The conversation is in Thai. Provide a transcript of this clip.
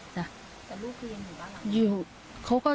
แต่ลูกคืนอยู่บ้าง